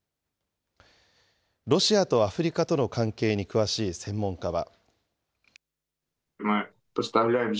ロシアとアフリカとの関係に詳しい専門家は。